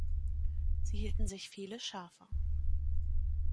Sie hielten sich viele Schafe.